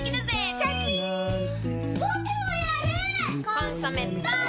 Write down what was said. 「コンソメ」ポン！